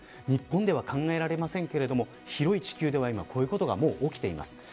日本では考えられませんが広い地球では今、こういうことがもう起きています。